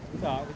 berapa kilo itu